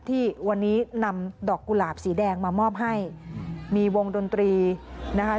ที่วันนี้นำดอกกุหลาบสีแดงมามอบให้มีวงดนตรีนะคะ